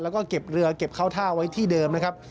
แล้วก็เก็บเรือเก็บเข้าท่าไว้ที่เดิมนะครับ